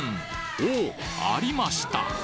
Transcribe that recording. おおっ！ありました！